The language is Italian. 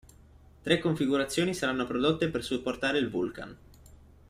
Tre configurazioni saranno prodotte per supportare il Vulcan.